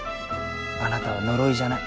あなたは呪いじゃない。